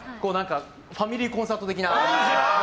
ファミリーコンサート的な。